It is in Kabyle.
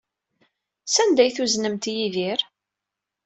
Sanda ay tuznemt Yidir?